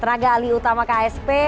tenaga ali utama ksp